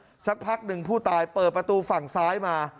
สักพักหนึ่งผู้ตายเปิดประตูฝั่งซ้ายมา